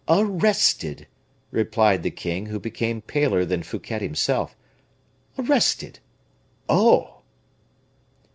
"Arrested!" replied the king, who became paler than Fouquet himself, "arrested! oh!"